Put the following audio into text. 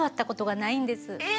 え！